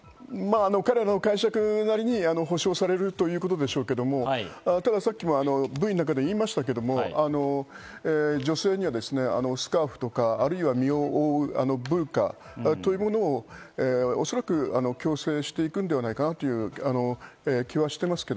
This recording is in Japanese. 彼らの解釈なりに保証されるということでしょうけど、たださっきもＶＴＲの中で言いましたが、女性にはスカーフとか身を覆うブルカというものを、おそらく強制していくのではないかなという気はしています。